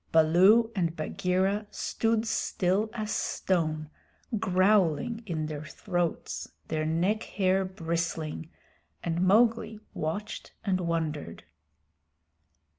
Baloo and Bagheera stood still as stone, growling in their throats, their neck hair bristling, and Mowgli watched and wondered.